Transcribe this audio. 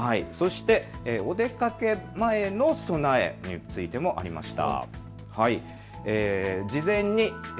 お出かけ前の備えについてもありました。